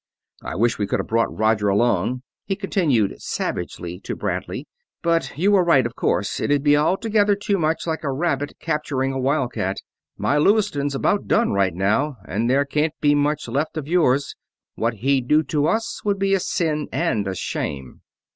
"I wish we could have brought Roger along," he continued, savagely, to Bradley. "But you were right, of course it'd be altogether too much like a rabbit capturing a wildcat. My Lewiston's about done right now, and there can't be much left of yours what he'd do to us would be a sin and a shame."